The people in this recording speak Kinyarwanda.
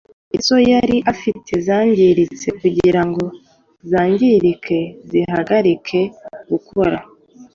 kuko izo yari afite zangiritse. Kugira ngo zangirike, zihagarike gukora…